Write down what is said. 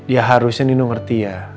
ya harusnya nino ngerti ya